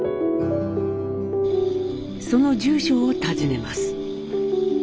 その住所を訪ねます。